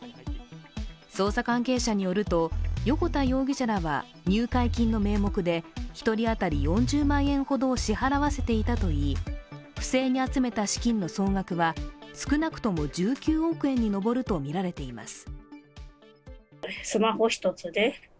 捜査関係者によると、横田容疑者らは入会金の名目で１人当たり４０万円ほどを支払わせていたといい不正に集めた資金の総額は少なくとも１９億円に上るとみられています。